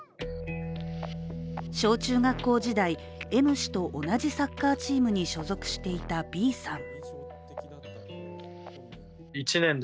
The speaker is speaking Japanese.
小中学校時代、Ｍ氏と同じサッカーチームに所属していたＢさん。